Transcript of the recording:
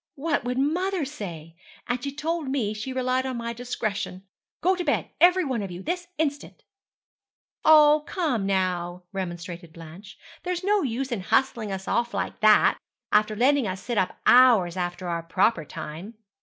'What would mother say? And she told me she relied on my discretion! Go to bed, every one of you, this instant!' 'Oh, come, now,' remonstrated Blanche, 'there's no use in hustling us off like that, after letting us sit up hours after our proper time.